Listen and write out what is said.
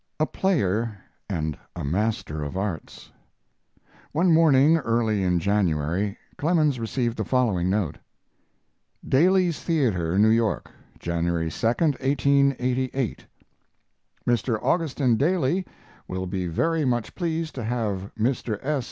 A "PLAYER" AND A MASTER OF ARTS One morning early in January Clemens received the following note: DALY'S THEATER, NEW YORK, January 2, 1888. Mr. Augustin Daly will be very much pleased to have Mr. S.